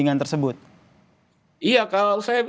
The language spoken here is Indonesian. untuk menurut anda apa yang akan dilakukan tudingan tersebut